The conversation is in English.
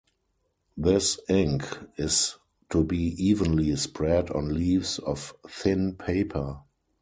This ink is to be evenly spread on leaves of thin paper.